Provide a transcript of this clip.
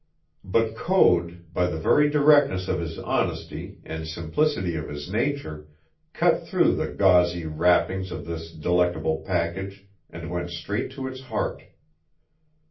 But Code, by the very directness of his honesty, and simplicity of his nature, cut through the gauzy wrappings of this delectable package and went straight to its heart.